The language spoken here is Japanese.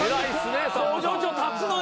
向上長立つのよ。